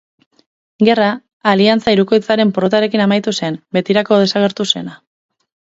Gerra, Aliantza Hirukoitzaren porrotarekin amaitu zen, betirako desagertu zena.